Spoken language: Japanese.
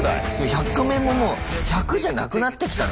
「１００カメ」ももう１００じゃなくなってきたね